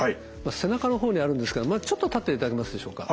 背中のほうにあるんですけどちょっと立っていただけますでしょうか。